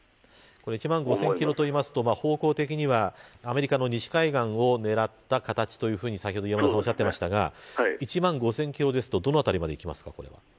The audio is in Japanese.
１万５０００キロというと方向的にはアメリカの西海岸を狙ったかたちと先ほどおっしゃっていましたが１万５０００キロだとどの辺りまで行きますか。